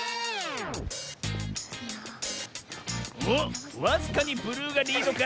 おっわずかにブルーがリードか？